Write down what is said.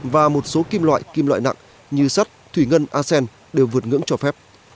và một số kim loại kim loại nặng như sắt thủy ngân asen đều vượt ngưỡng cho phép